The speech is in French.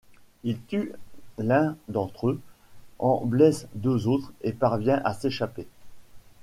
Il tue l'un d'entre eux, en blesse deux autres et parvient à s'échapper.